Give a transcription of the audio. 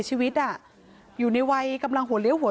พระเจ้าที่อยู่ในเมืองของพระเจ้า